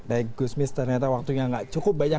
bagus ternyata waktunya tidak cukup banyak